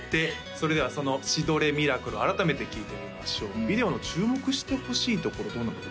それではその「シ・ド・レ・ミラクル」改めて聴いてみましょうビデオの注目してほしいところどんなところですか？